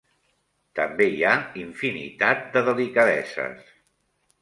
També hi ha infinitat de delicadeses.